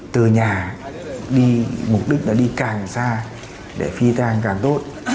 từ nhà đi mục đích là đi càng xa để phi tang càng tốt